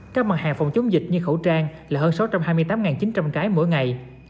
các mặt hàng phòng chống dịch như khẩu trang là hơn sáu trăm hai mươi tám chín trăm linh cái mỗi ngày